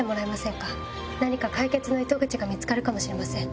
何か解決の糸口が見つかるかもしれません。